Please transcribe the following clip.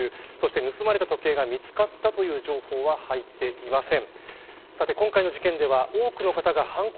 盗まれた時計が見つかった情報は入ってません。